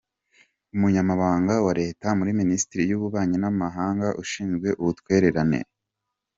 Umunyamabanga wa Leta muri Minisiteri y’Ububanyi n’Amahanga ushinzwe Ubutwererane: Amb.